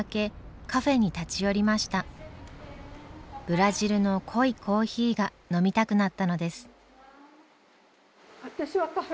ブラジルの濃いコーヒーが飲みたくなったのです。